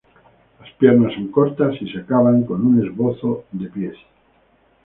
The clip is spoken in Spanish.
Las piernas son cortas y se acaban con unos esbozos de pies.